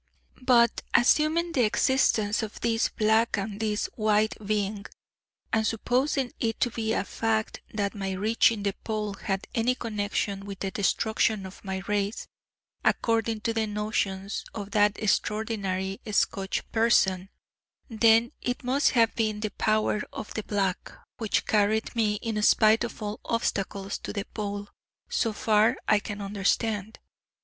But assuming the existence of this 'Black' and this 'White' being and supposing it to be a fact that my reaching the Pole had any connection with the destruction of my race, according to the notions of that extraordinary Scotch parson then it must have been the power of 'the Black' which carried me, in spite of all obstacles, to the Pole. So far I can understand.